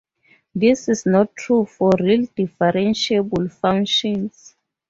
This is not true for real differentiable functions.